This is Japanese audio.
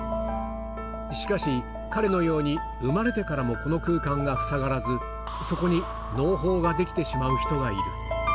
しかし、彼のように生まれてからもこの空間が塞がらず、そこにのう胞が出来てしまう人がいる。